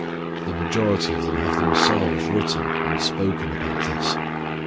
The majority of them have themselves written and spoken about this.